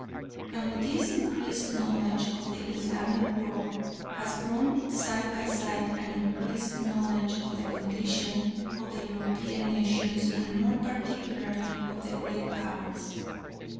And with this increased knowledge of the Islamic world has grown side by side an increased knowledge of the condition of the European nations and more particularly of the Great Powers.